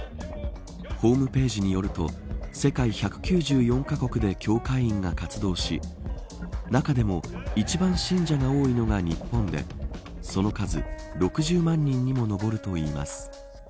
ホームページによると世界１９４カ国で教会員が活動し中でも一番信者が多いのが日本でその数６０万人にも上るといいます。